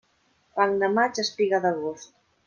Fang de maig, espiga d'agost.